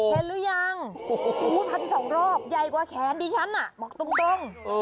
เห็นหรือยังดีกว่าแขนดิฉันตรง